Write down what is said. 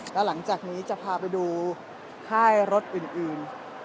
แล้วหลังจากนี้จะพาไปดูค่ายรถอื่น